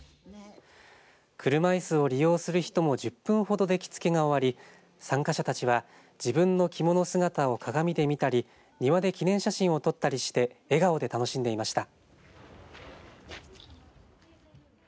車いすいを利用する人も１０分ほどで着付けが終わり参加者たちは自分の着物姿を鏡で見たり庭で記念写真を撮ったりして笑顔で楽しんでいました。